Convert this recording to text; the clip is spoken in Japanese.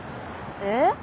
えっ？